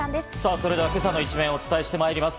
それでは今朝の一面をお伝えしてまいります。